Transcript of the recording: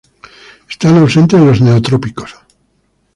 Están ausentes en los Neotrópicos.